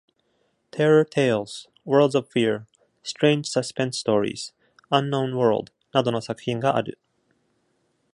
「Terror Tales」、「Worlds of Fear」、「Strange Suspunse Stories」、「Unknown World」などの作品がある。